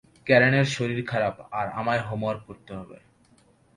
ক্যারেনের শরীর খারাপ আর আমায় হোমওয়ার্ক করতে হবে।